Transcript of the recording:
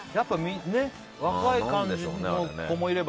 若い感じの子もいれば。